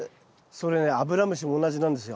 それねアブラムシも同じなんですよ。